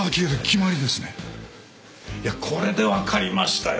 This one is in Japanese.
いやこれでわかりましたよ